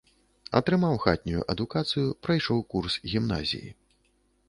Атрымаў хатнюю адукацыю, прайшоў курс гімназіі.